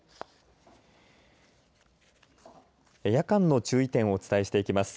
夜間の注意点をお伝えしていきます。